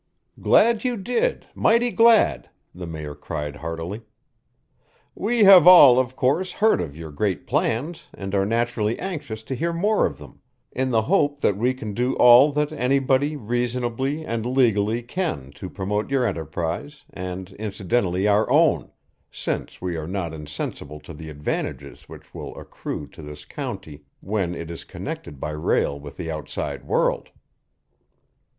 "Glad you did mighty glad," the Mayor cried heartily. "We have all, of course, heard of your great plans and are naturally anxious to hear more of them, in the hope that we can do all that anybody reasonably and legally can to promote your enterprise and incidentally our own, since we are not insensible to the advantages which will accrue to this county when it is connected by rail with the outside world."